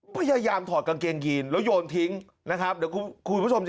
พยายามถอดกางเกงยีนแล้วโยนทิ้งนะครับเดี๋ยวคุณผู้ชมจะ